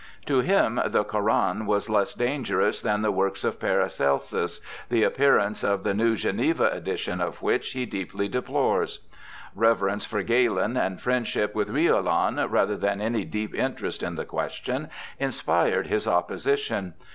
To him the Koran was less dangerous than the works of Paracelsus, the appearance of the new Geneva edition of which he deeply deplores. Reverence for Galen and friendship with Riolan, rather than any deep interest in the question, inspired his opposition.